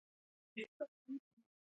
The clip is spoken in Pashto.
د هغې نوم هم "ننواتې" دے.